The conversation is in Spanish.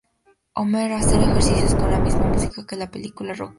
Homer hace ejercicios con la misma música que la película "Rocky".